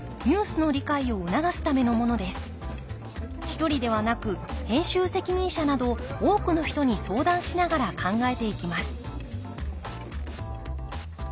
一人ではなく編集責任者など多くの人に相談しながら考えていきます